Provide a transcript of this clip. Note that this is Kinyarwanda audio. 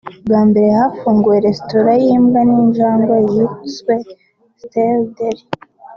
bwa mbere hafunguwe resitora y’imbwa n’injangwe yiswe Pets Deli